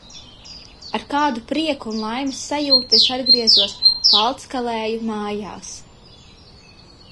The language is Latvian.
"Ar kādu prieku un laimes sajūtu es atgriezos "Palckalēju" mājās!"